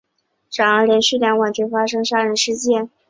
然而连续两晚均发生杀人事件。